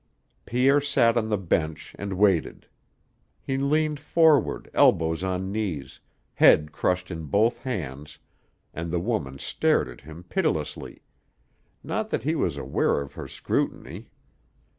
Pierre sat on the bench and waited. He leaned forward, elbows on knees, head crushed in both hands, and the woman stared at him pitilessly not that he was aware of her scrutiny.